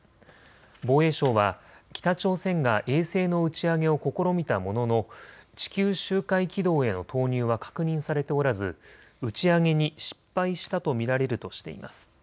防衛省は北朝鮮が衛星の打ち上げを試みたものの地球周回軌道への投入は確認されておらず打ち上げに失敗したと見られるとしています。